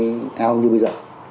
cái ao như bây giờ